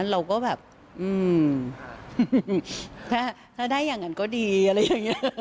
เราก็แบบถ้าได้อย่างนั้นก็ดีอะไรอย่างนี้